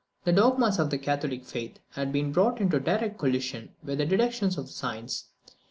The dogmas of the Catholic faith had been brought into direct collision with the deductions of science.